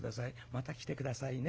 また来て下さいね。